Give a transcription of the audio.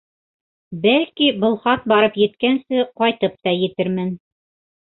Бәлки, был хат барып еткәнсе ҡайтып та етермен.